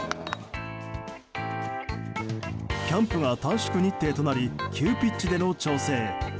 キャンプは短縮日程となり急ピッチでの調整。